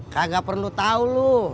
gak perlu tau lo